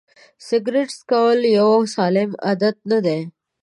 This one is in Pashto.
سیګرېټ څکول یو سالم عادت نه دی.